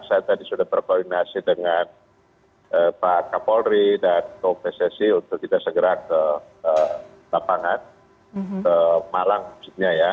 saya tadi sudah berkoordinasi dengan pak kapolri dan pssi untuk kita segera ke lapangan ke malang maksudnya ya